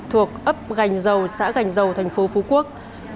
thuộc ấp gành dầu xã gành dầu thành phố phú quốc